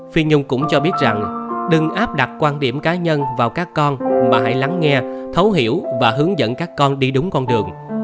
phi nhung cũng cho biết rằng đừng áp đặt quan điểm cá nhân vào các con mà hãy lắng nghe thấu hiểu và hướng dẫn các con đi đúng con đường